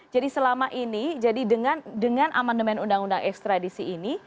jadi selama ini dengan amandemen undang undang ekstradisi ini